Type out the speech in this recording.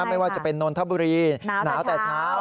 ไม่ว่าจะเป็นนนทบุรีหนาวแต่เช้า